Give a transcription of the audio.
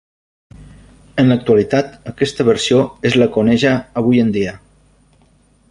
En l'actualitat aquesta versió és la que oneja avui en dia.